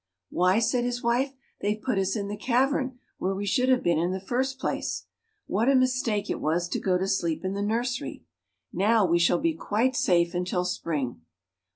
"Why," said his wife, "they've put us in the cavern where we should have been in the first place. What a mistake it was to go to sleep in the nursery! Now we shall be quite safe until spring."